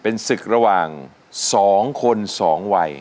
เป็นศึกระหว่าง๒คน๒วัย